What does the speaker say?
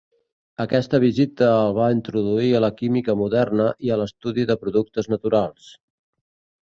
Aquesta visita el va introduir a la química moderna i a l'estudi de productes naturals.